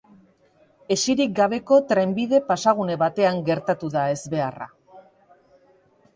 Hesirik gabeko trenbide-pasagune batean gertatu da ezbeharra.